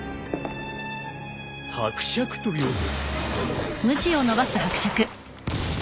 伯爵と呼べ。